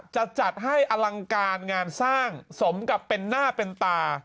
จะจัดให้อลังการงานสร้างสมกับเป็นหน้าเป็นตา